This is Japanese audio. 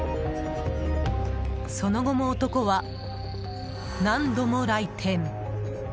その後も男は、何度も来店。